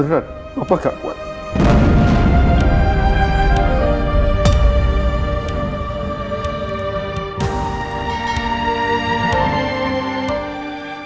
intinya saya akan menipu dia